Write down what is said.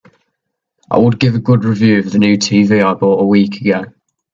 I would give a good review of the new TV I bought a week ago.